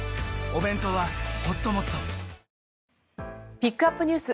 ピックアップＮＥＷＳ